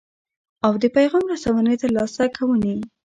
او د پیغام رسونې یا ترلاسه کوونې.